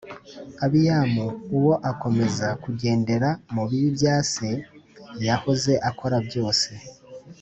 Abiyamu uwo akomeza kugendera mu bibi bya se yahoze akora byose